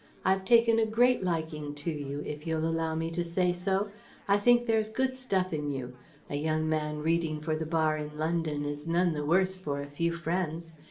I've taken a great liking to you, if you'll allow me to say so. I think there's good stuff in you. A young man reading for the Bar in London is none the worse for a few friends.